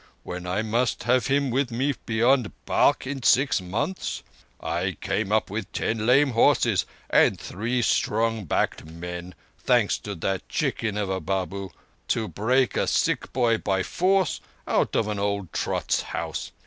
When I must have him with me beyond Balkh in six months! I come up with ten lame horses and three strong backed men—thanks to that chicken of a Babu—to break a sick boy by force out of an old trot's house.